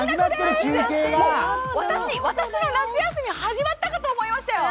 私の夏休み始まったかと思いましたよ。